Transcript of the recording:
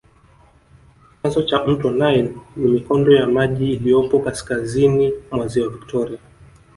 Chanzo cha mto nile ni mikondo ya maji iliyopo kaskazini mwa ziwa Victoria